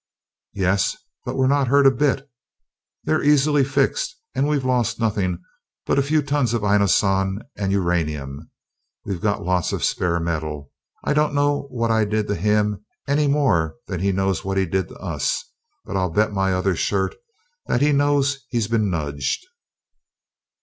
"Yes, but we're not hurt a bit. They're easily fixed, and we've lost nothing but a few tons of inoson and uranium. We've got lots of spare metal. I don't know what I did to him, any more than he knows what he did to us, but I'll bet my other shirt that he knows he's been nudged!"